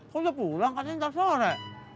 kok udah pulang kan nanti ntar sore